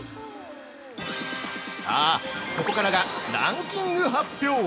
さあ、ここからがランキング発表。